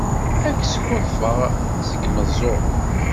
Ad k-skuḍḍfeɣ seg yimeẓẓuɣen!